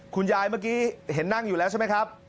เมื่อกี้เห็นนั่งอยู่แล้วใช่ไหมครับ